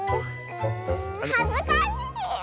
はずかしいよ！